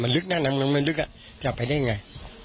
มันลึกงั้นมันลึกอ่ะเจอไปได้ไง